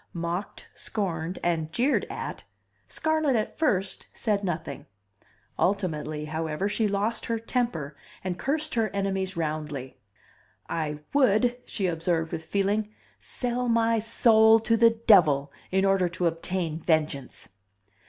Mocked, scorned, and jeered at, Scarlett at first said nothing. Ultimately, however, she lost her temper and cursed her enemies roundly. "I would," she observed with feeling, "sell my soul to the devil in order to obtain vengeance!"